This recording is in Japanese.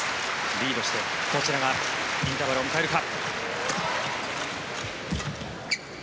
リードして、どちらがインターバルを迎えるか。